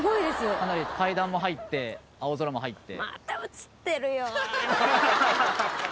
かなり階段も入って青空も入って。